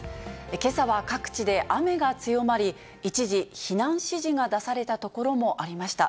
けさは各地で雨が強まり、一時、避難指示が出された所もありました。